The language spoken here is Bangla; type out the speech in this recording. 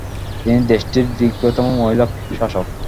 তিনি দেশেটির দীর্ঘতম মহিলা শাসক।